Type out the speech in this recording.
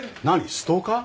ストーカー？